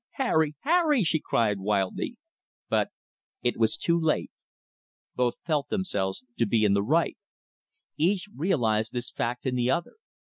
"Harry! Harry!" she cried wildly; but it was too late. Both felt themselves to be in the right. Each realized this fact in the other.